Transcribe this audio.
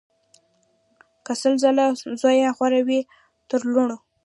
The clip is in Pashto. که سل ځله زویه غوره وي تر لوڼو